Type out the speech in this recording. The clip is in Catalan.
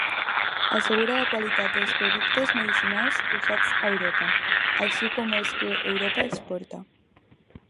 Assegura la qualitat dels productes medicinals usats a Europa, així com els que Europa exporta.